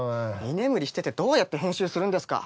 居眠りしててどうやって編集するんですか？